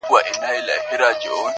اوس ولي نه وايي چي ښار نه پرېږدو,